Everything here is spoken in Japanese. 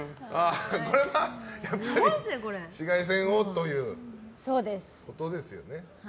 これは紫外線をということですよね。